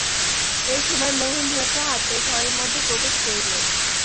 এই সময় মহিম হুঁকা হাতে ঘরের মধ্যে প্রবেশ করিলেন।